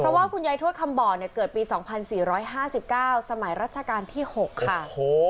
เพราะว่าคุณยายทวดคำบ่อเนี่ยเกิดปี๒๔๕๙สมัยรัชกาลที่๖ค่ะ